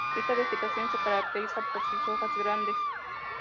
Esta vegetación se caracteriza por sus hojas grandes.